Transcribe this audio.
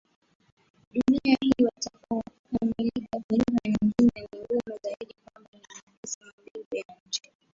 dunia hii utakapokamilika lugha nyingine ni ngumu Zaidi kwamba ni vyepesi mbingu na nchi